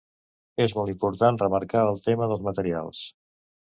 És molt important remarcar el tema dels materials.